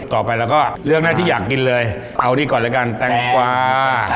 ต่อไปเราก็เลือกหน้าที่อยากกินเลยเอานี่ก่อนแล้วกันแตงกวา